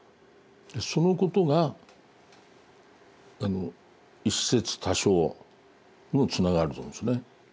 そのことが一殺多生にもつながると思うんですね。